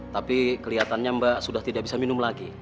tapi kelihatannya mbak sudah tidak bisa minum lagi